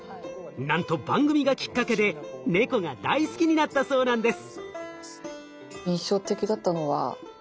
なんと番組がきっかけでネコが大好きになったそうなんです。